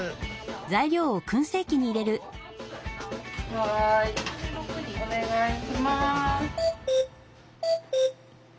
はいお願いします。